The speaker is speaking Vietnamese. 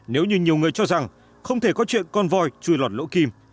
nếu như nhiều người cho rằng không thể có chuyện con voi chui lọt lỗ kim